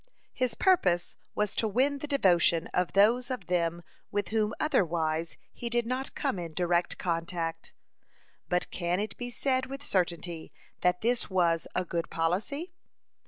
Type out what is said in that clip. His purpose was to win the devotion of those of them with whom otherwise he did not come in direct contact. But can it be said with certainty that this was a good policy?